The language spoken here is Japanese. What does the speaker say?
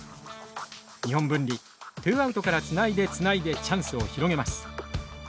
日本文理ツーアウトからつないでつないでチャンスを広げます。